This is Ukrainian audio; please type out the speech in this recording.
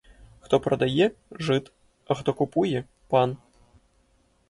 Хто продає — жид, а хто купує — пан!